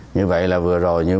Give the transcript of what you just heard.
như vậy là vừa rồi